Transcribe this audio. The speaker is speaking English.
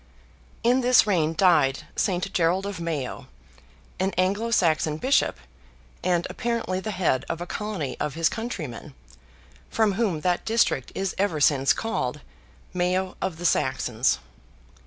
In this reign died Saint Gerald of Mayo, an Anglo Saxon Bishop, and apparently the head of a colony of his countrymen, from whom that district is ever since called "Mayo of the Saxons."